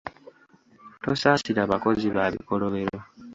Tosasira bakozi ba bikolobero.